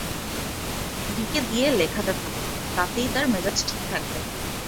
কিডিকে দিয়ে লেখাতে থাকো, তাতেই তার মেজাজ ঠিক থাকবে।